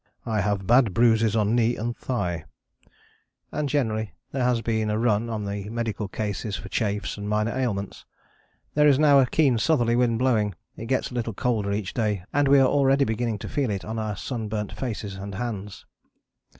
['I have bad bruises on knee and thigh'], and generally there has been a run on the medical cases for chafes, and minor ailments. There is now a keen southerly wind blowing. It gets a little colder each day, and we are already beginning to feel it on our sunburnt faces and hands."